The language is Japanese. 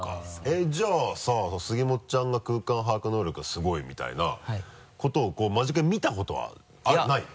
えっじゃあさ杉本ちゃんが空間把握能力はすごいみたいなことを間近に見たことはないの？